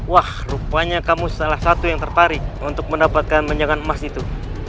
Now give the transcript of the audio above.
wah rupanya kamu salah satu yang tertarik untuk mendapatkan menjangan emas itu